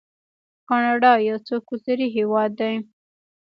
کاناډا یو څو کلتوری هیواد دی.